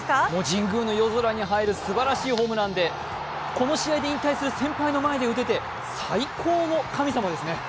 神宮の夜空に映えるすばらしいホームランでこの試合で引退する先輩の前で打てて、最高の神様ですね。